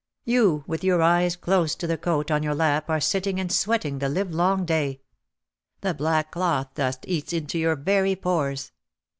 You with your eyes close to the coat on your lap are sitting and sweating the livelong day. The black cloth dust eats into your very pores.